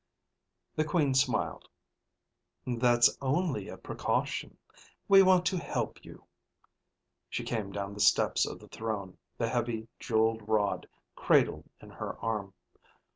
The Queen smiled. "That's only a precaution. We want to help you." She came down the steps of the throne, the heavy jeweled rod cradled in her arm.